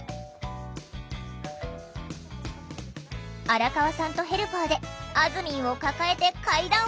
荒川さんとヘルパーであずみんを抱えて階段を上がる！